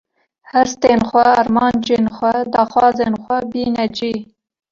hestên xwe, armancên xwe, daxwazên xwe bîne cî.